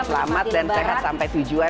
selamat dan sehat sampai tujuan